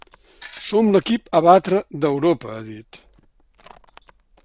Som l’equip a batre d’Europa, ha dit.